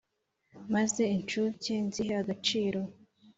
maze incuke nzihe agaciro